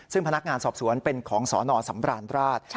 ซึ่งพนักงานสอบสวนเป็นของสนสำราญราช